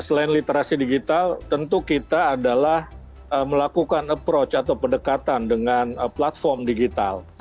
selain literasi digital tentu kita adalah melakukan approach atau pendekatan dengan platform digital